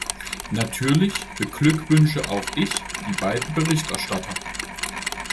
Natürlich beglückwünsche auch ich die beiden Berichterstatter.